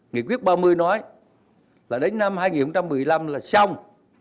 nghị quyết ba mươi nói là đến năm hai nghìn một mươi năm là xong